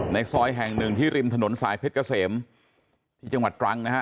ในซอยแห่งหนึ่งที่ริมถนนสายเพชรเกษมที่จังหวัดตรังนะฮะ